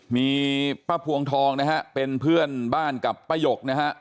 มีป้าพวงทองเป็นเพื่อนบ้านกับป้ายก